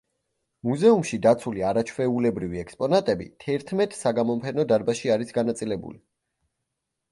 მუზეუმში დაცული არაჩვეულებრივი ექსპონატები თერთმეტ საგამოფენო დარბაზში არის განაწილებული.